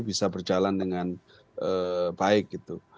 bisa berjalan dengan baik gitu